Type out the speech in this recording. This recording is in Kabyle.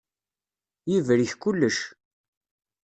Yebrik kullec.